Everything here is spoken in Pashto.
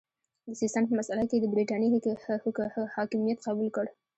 د سیستان په مسئله کې یې د برټانیې حکمیت قبول کړ.